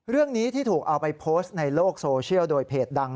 เรื่องนี้ที่ถูกเอาไปโพสต์ในโลกโซเชียลโดยเพจดัง